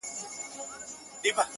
جامه په يوه گوته اوږده په يوه لنډه.